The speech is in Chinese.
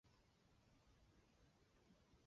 西晋曾设过陇西国。